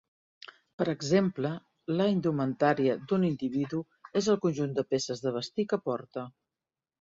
Per exemple, la indumentària d'un individu és el conjunt de peces de vestir que porta.